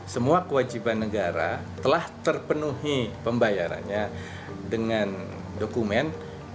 semua kewajiban negara telah terpenuhi pembayarannya dengan dokumen